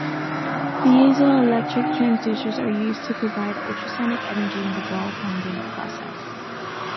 Piezoelectric transducers are used to provide ultrasonic energy in the ball bonding process.